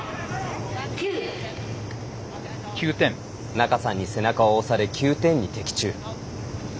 仲さんに背中を押され９点に的中。